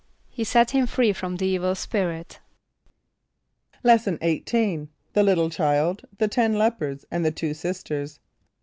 =He set him free from the evil spirit.= Lesson XVIII. The Little Child, the Ten Lepers, and the Two Sisters.